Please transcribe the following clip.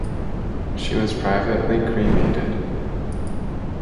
She was privately cremated.